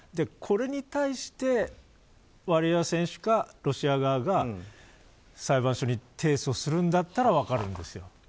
これに対してワリエワ選手かロシア側が裁判所に提訴するんだったら分かるんですよ。